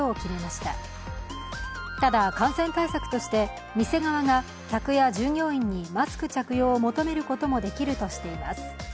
ただ、感染対策として店側が客や従業員にマスク着用を求めることもできるとしています。